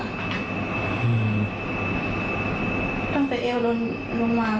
อันดับที่สุดท้าย